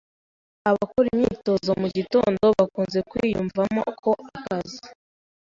abakora imyitozo mu gitondo bakunze kwiyumvamo ko akazi